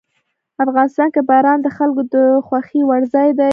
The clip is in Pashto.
افغانستان کې باران د خلکو د خوښې وړ ځای دی.